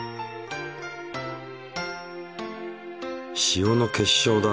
塩の結晶だ。